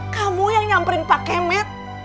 kamu yang nyamperin pak kemet